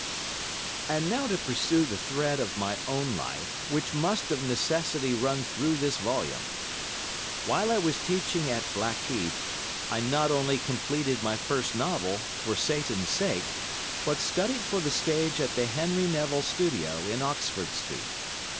And now to pursue the thread of my own life, which must of necessity run through this volume. While I was teaching at Blackheath, I not only completed my first novel, "For Satan's Sake," but studied for the stage at the Henry Neville Studio in Oxford Street.